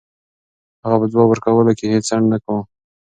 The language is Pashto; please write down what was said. هغه په ځواب ورکولو کې هیڅ ځنډ نه کوي.